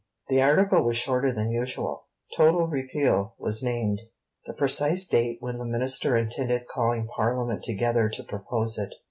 The article was shorter than usual. Total Repeal was named; the precise date when the Minister intended calling Parliament together to propose it.